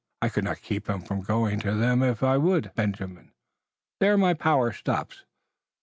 "I could not keep him from going to them if I would, Benjamin. There my power stops.